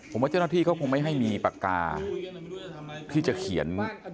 ผมว่าเจ้าหน้าที่เขาคงไม่ให้มีปากกาที่จะเขียน